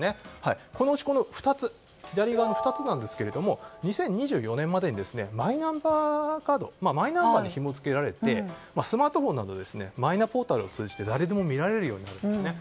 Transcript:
このうち左側の２つなんですが２０２４年までにマイナンバーでひもづけられてスマートフォンなどでマイナポータルを通じて誰でも見られるようになると。